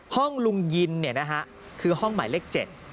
ห้องลุงยินคือห้องหมายเลข๗